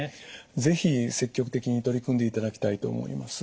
是非積極的に取り組んでいただきたいと思います。